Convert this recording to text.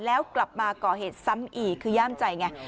แล้วกลับมาก่อเหตุซ้ำอีกคือย่ามใจไง